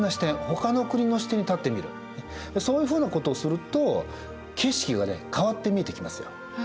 他の国の視点に立ってみるそういうふうなことをすると景色がね変わって見えてきますよ。